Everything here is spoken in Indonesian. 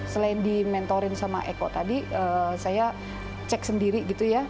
selain di mentorin sama eko tadi saya cek sendiri gitu ya